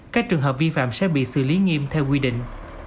các trường hợp vi phạm sẽ bị xử lý nghiêm theo quy định